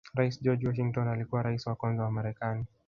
Rais George Washington alikuwa Rais wa kwanza wa marekani